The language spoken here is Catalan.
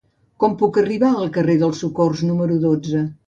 Com puc arribar al carrer del Socors número dotze?